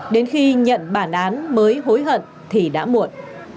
đến khi nhận bản án mới hối hận thì đã muộn